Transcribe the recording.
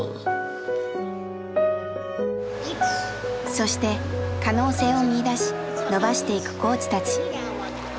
そして可能性を見いだし伸ばしていくコーチたち。